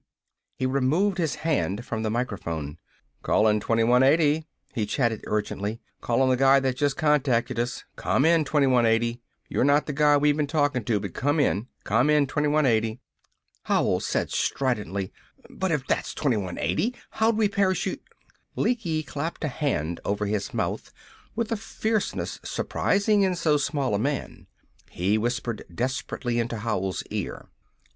He removed his hand from the microphone. "Callin' 2180!" he chattered urgently. "Calling the guy that just contacted us! Come in, 2180! You're not the guy we've been talking to, but come in! Come in, 2180!" Howell said stridently: "But if that's 2180, how'd we parachute ". Lecky clapped a hand over his mouth with a fierceness surprising in so small a man. He whispered desperately into Howell's ear.